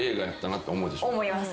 思います。